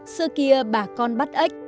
xưa kia bà con bắt ếch